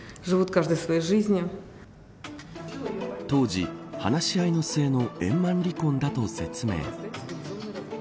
当時、話し合いの末の円満離婚だと説明。